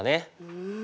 うん。